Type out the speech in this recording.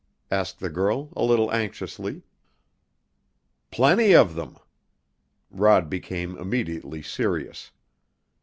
asked the girl a little anxiously. "Plenty of them." Rod became immediately serious.